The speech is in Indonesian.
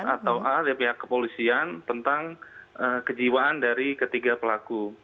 atau a dari pihak kepolisian tentang kejiwaan dari ketiga pelaku